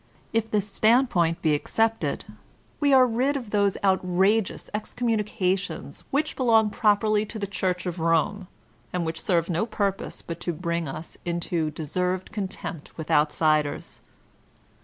If this standpoint be accepted, we are rid of those outrageous excommunications which belong properly to the Church of Rome, and which serve no purpose but to bring us into deserved contempt with outsiders.